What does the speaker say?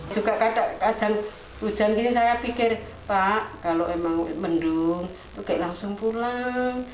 jika ada hujan saya pikir pak kalau emang mendung oke langsung pulang